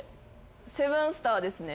セブンスターですね？